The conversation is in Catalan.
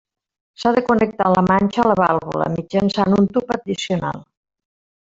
S'ha de connectar la manxa a la vàlvula mitjançant un tub addicional.